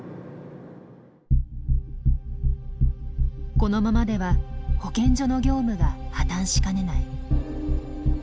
このままでは保健所の業務が破綻しかねない。